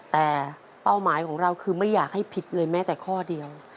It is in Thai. แต่เป้าหมายของเราคือไม่อยากให้ผิดเลยแม้แต่ข้อเดียว